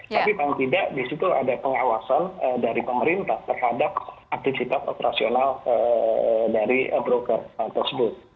tapi memang tidak disitu ada pengawasan dari pemerintah terhadap aktivitas operasional dari broker tersebut